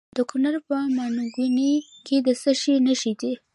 د کونړ په ماڼوګي کې د څه شي نښې دي؟